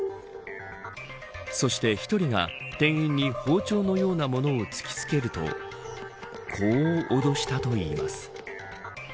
そして１人が、店員に包丁のようなものを突きつけるとこう、脅したといいます。